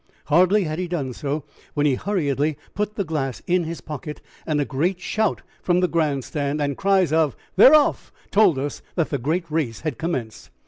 Hardly had he done so when he hurriedly put the glass in his pocket, and a great shout from the Grand Stand and cries of "They're off!" told us that the great race had commenced.